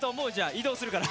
移動するから。